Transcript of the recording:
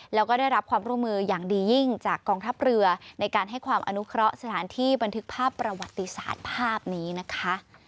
แล้วก็ได้รับความร่วมมืออย่างดียิ่งจากกองทัพเรือในการให้ความอนุเคราะห์สถานที่บันทึกภาพประวัติศาสตร์ภาพนี้นะคะ